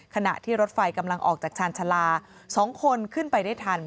ขณะที่รถไฟกำลังออกจากชาญชาลา๒คนขึ้นไปได้ทัน